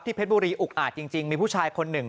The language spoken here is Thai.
เพชรบุรีอุกอาจจริงมีผู้ชายคนหนึ่ง